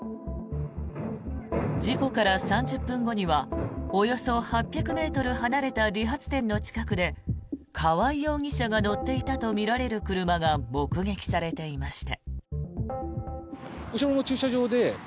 事故から３０分後にはおよそ８００ｍ離れた理髪店の近くで川合容疑者が乗っていたとみられる車が目撃されていました。